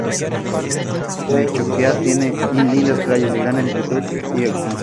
Necochea tiene lindas playas, de gran amplitud y extensión.